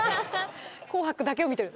『紅白』だけを見てる。